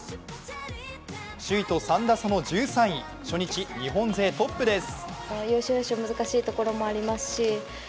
首位と３打差の１３位、初日日本勢トップです。